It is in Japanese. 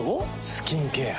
スキンケア。